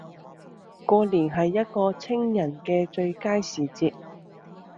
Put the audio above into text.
過年係一個清人既最佳時節